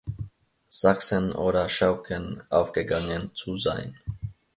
Sachsen oder Chauken, aufgegangen zu sein.